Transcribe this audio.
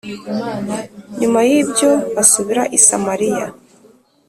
Nyuma y ‘ibyo basubira i Samariya